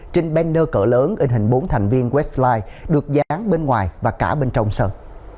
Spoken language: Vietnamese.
trên banner cỡ lớn in hình bốn thành viên webslide được dán bên ngoài và cả bên trong sân